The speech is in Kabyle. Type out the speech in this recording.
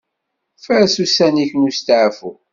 Faṛes ussan-ik n usteɛfu.